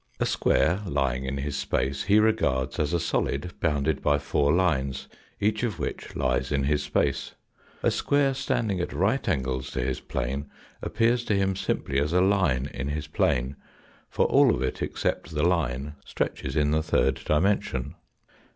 A square lying in his space he regards as a solid bounded by four lines, each of which lies in his space. A square standing at right angles to his plane appears to him as simply a line in his plane, for all of it except the line stretches in the third dimension.